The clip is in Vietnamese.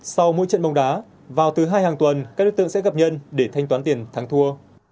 sau mỗi trận bóng đá vào thứ hai hàng tuần các đối tượng sẽ gặp nhân để thanh toán tiền thắng thua